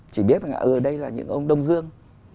chỉ biết là đây là những ông đông dương